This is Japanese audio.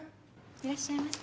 いらっしゃいませ。